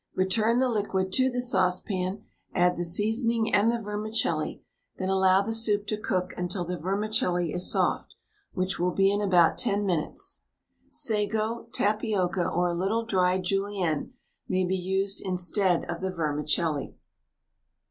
Return the liquid to the saucepan, add the seasoning and the vermicelli; then allow the soup to cook until the vermicelli is soft, which will be in about 10 minutes. Sago, tapioca, or a little dried julienne may be used instead of the vermicelli.